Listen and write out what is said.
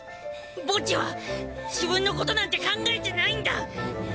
ボッジは自分のことなんて考えてないんだ！